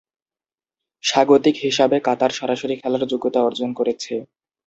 স্বাগতিক হিসাবে কাতার সরাসরি খেলার যোগ্যতা অর্জন করেছে।